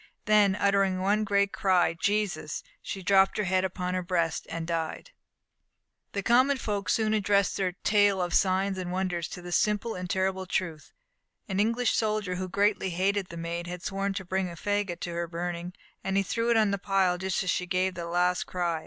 Then, uttering one great cry "Jesus!" she drooped her head upon her breast, and died. The common folk soon added their tale of signs and wonders to the simple and terrible truth. An English soldier, who greatly hated the Maid, had sworn to bring a faggot to her burning, and he threw it on the pile just as she gave that last cry.